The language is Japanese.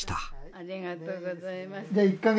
ありがとうございます。